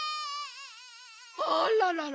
あららら。